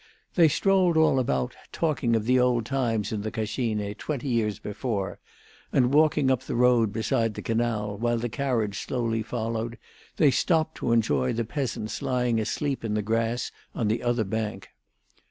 They strolled all about, talking of the old times in the Cascine, twenty years before; and walking up the road beside the canal, while the carriage slowly followed, they stopped to enjoy the peasants lying asleep in the grass on the other bank.